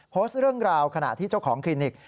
โพสต์เรื่องราวขณะที่เจ้าของคลินิก